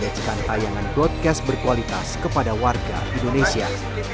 diacikan tayangan broadcast berkualitas kepada warga indonesia